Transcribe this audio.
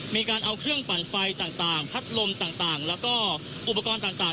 มีการเอาเครื่องปั่นไฟต่างพัดลมต่างแล้วก็อุปกรณ์ต่าง